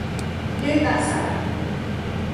ดื้อตาใส